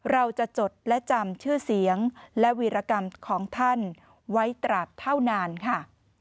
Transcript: จดและจำชื่อเสียงและวีรกรรมของท่านไว้ตราบเท่านานค่ะ